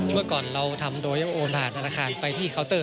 เมื่อก่อนเราทำโดยโอนหาดธนาคารไปที่เคาน์เตอร์